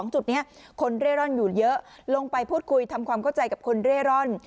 จุดนี้คนเร่ร่อนอยู่เยอะลงไปพูดคุยทำความเข้าใจกับคนเร่ร่อน